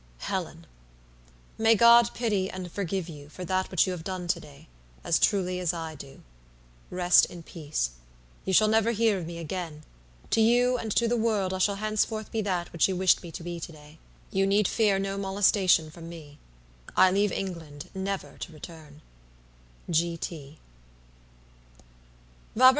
"HELENMay God pity and forgive you for that which you have done to day, as truly as I do. Rest in peace. You shall never hear of me again; to you and to the world I shall henceforth be that which you wished me to be to day. You need fear no molestation from me. I leave England never to return.